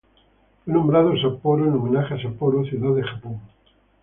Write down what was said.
Fue nombrado Sapporo en homenaje a Sapporo ciudad de Japón.